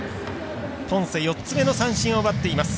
ポンセ、４つ目の三振を奪っています。